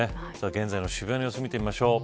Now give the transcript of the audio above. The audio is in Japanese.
現在の渋谷の様子見てみましょう。